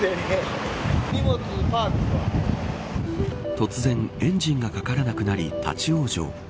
突然、エンジンがかからなくなり立ち往生。